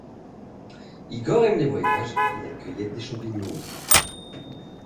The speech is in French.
Igor aime les voyages et la cueillette des champignons.